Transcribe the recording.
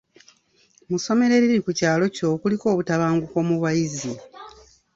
Mu ssomero eriri ku kyalo kyo kuliko obutabanguko mu bayizi.